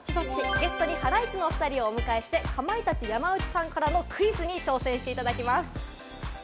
ゲストにハライチのお二人をお迎えして、かまいたち・山内さんからのクイズに挑戦していただきます。